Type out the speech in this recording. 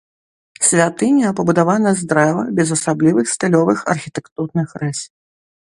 Святыня пабудавана з дрэва без асаблівых стылёвых архітэктурных рыс.